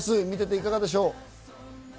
見ていていかがでしょう？